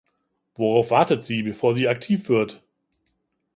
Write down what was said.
Worauf wartet sie, bevor sie aktiv wird?